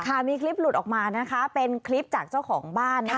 ค่ะมีคลิปหลุดออกมาเป็นคลิปจากเจ้าของบ้าน